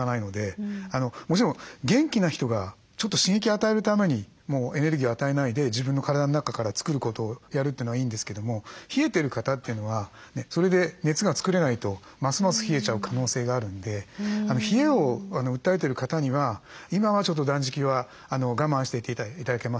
もちろん元気な人がちょっと刺激与えるためにエネルギーを与えないで自分の体の中から作ることをやるっていうのはいいんですけども冷えてる方っていうのはそれで熱が作れないとますます冷えちゃう可能性があるんで冷えを訴えてる方には今はちょっと断食は我慢して頂けませんかと。